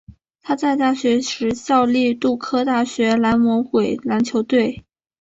他在大学时效力杜克大学蓝魔鬼篮球队。